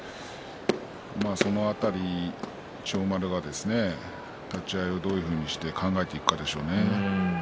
その辺り、千代丸が立ち合いをどういうふうに考えていくかでしょうね。